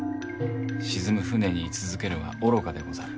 沈む船に居続けるは愚かでござる。